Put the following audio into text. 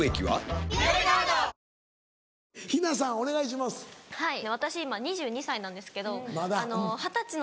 はい私今２２歳なんですけど。